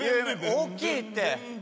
大きいって！